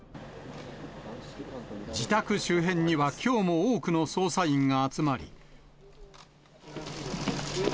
自宅周辺には、きょうも多くの捜査員が集まり。